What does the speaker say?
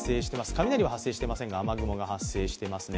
雷は発生していませんが雨雲が発生していますね。